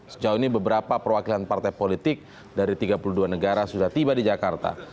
sejauh ini beberapa perwakilan partai politik dari tiga puluh dua negara sudah tiba di jakarta